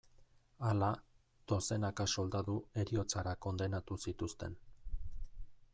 Hala, dozenaka soldadu heriotzara kondenatu zituzten.